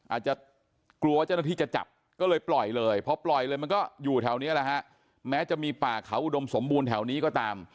อาจจะกลัวเจ้าหน้าที่จะจับก็เลยปล่อยเลยพอปล่อยเลยมันก็อยู่แถวนี้แหละฮะแม้จะมีป่าเขาอุดมสมบูรณ์แถวนี้ก็ตาม